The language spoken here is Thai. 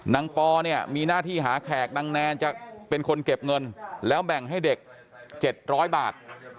ปอเนี่ยมีหน้าที่หาแขกนางแนนจะเป็นคนเก็บเงินแล้วแบ่งให้เด็ก๗๐๐บาท